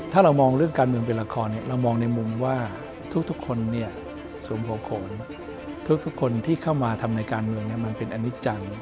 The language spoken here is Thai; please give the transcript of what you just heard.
ทุกคนที่เข้ามาทำในการเมืองมันเป็นอนิจจันทร์